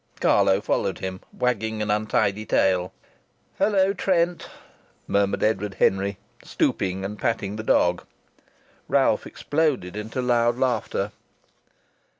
Carlo followed him, wagging an untidy tail. "Hello, Trent!" murmured Edward Henry, stooping and patting the dog. Ralph exploded into loud laughter.